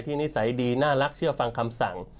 นิสัยดีน่ารักเชื่อฟังคำสั่ง